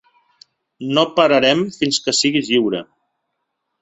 No pararem fins que siguis lliure.